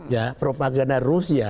ya propaganda rusia